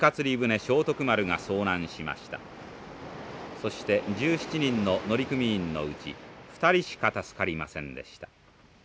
そして１７人の乗組員のうち２人しか助かりませんでした。